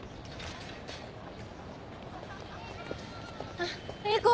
あっ英子